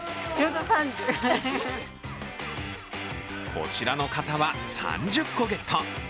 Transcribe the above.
こちらの親子は３０個ゲット。